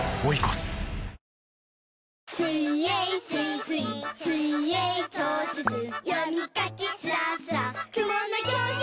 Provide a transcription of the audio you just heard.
スイスイ水泳教室読み書きスラスラＫＵＭＯＮの教室